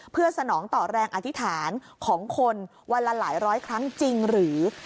เพื่อสนองต่อแรงอธิษฐานของคนวันละหลายร้อยครั้งจริงหรือ